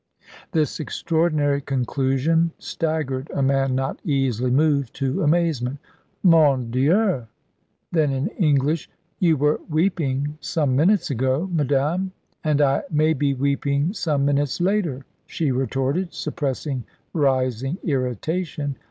This extraordinary conclusion staggered a man not easily moved to amazement. "Mon Dieu!" Then in English: "You were weeping some minutes ago, madame." "And I may be weeping some minutes later," she retorted, suppressing rising irritation.